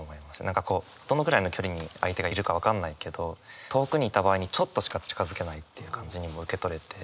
何かこうどのくらいの距離に相手がいるか分かんないけど遠くにいた場合にちょっとしか近づけないっていう感じにも受け取れて。